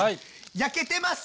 焼けてます！